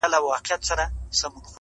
زه چي وګرځمه ځان کي جهان وینم,